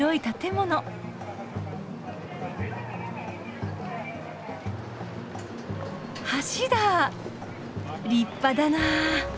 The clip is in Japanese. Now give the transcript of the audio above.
立派だな。